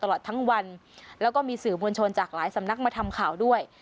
แล้วก็มีสื่อบรรชนจากหลายสำนักมาทำข่าวด้วย